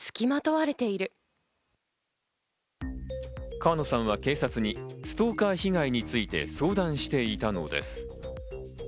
川野さんは警察にストーカー被害について相談していたのです。